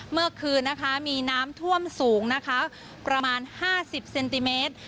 เมื่อคืนน้ำท่วมสูงประมาณ๕๐เซนติเมตร